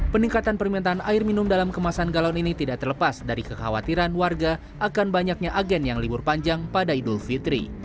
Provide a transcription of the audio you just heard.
peningkatan permintaan air minum dalam kemasan galon ini tidak terlepas dari kekhawatiran warga akan banyaknya agen yang libur panjang pada idul fitri